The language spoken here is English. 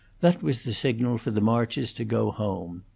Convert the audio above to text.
That was the signal for the Marches to go home.